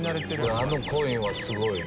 あのコインはすごいよ。